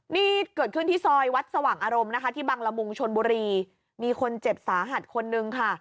นี่เกิดขึ้นที่ซอยวัดสว่างอารมณ์นะคะที่บังละมุงชนบุรีมีคนเจ็บสาหัสคนนึงค่ะ